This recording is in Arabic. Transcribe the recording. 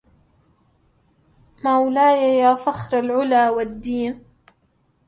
مولاي يا فخر العلى والدين